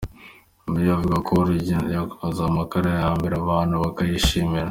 Meya avuga ko uwo rwiyemezamirimo yanakoze amakara ya mbere abantu bakayishimira.